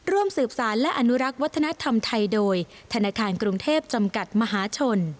ร่วมสืบสารและอนุรักษ์วัฒนธรรมไทยโดยธนาคารกรุงเทพจำกัดมหาชน